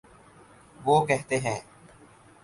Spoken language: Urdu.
وہ کہتے ہیں۔